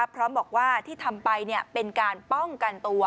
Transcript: พร้อมบอกว่าที่ทำไปเป็นการป้องกันตัว